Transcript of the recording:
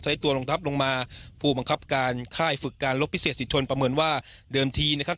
ตัวรองทัพลงมาผู้บังคับการค่ายฝึกการลบพิเศษสิทธนประเมินว่าเดิมทีนะครับ